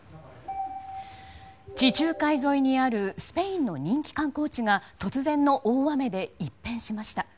地中海沿いにあるスペインの人気観光地が突然の大雨で一変しました。